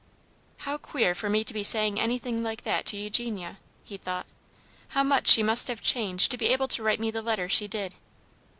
"How queer for me to be saying anything like that to Eugenia," he thought. "How much she must have changed to be able to write me the letter she did."